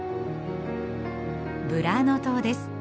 ブラーノ島です。